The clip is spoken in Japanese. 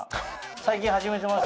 最近始めてます。